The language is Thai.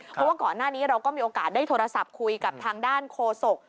เพราะว่าก่อนหน้านี้เราก็มีโอกาสได้โทรศัพท์คุยกับทางด้านโคศก